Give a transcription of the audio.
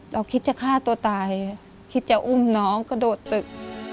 คิดจะฆ่าตัวตายคิดจะอุ้มน้องกระโดดตึก